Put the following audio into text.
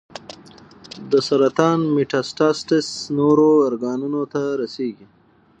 د سرطان میټاسټاسس نورو ارګانونو ته رسېږي.